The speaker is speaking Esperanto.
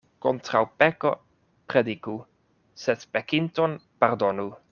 Kontraŭ peko prediku, sed pekinton pardonu.